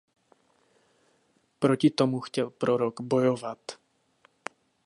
Proti tomu chtěl Prorok bojovat.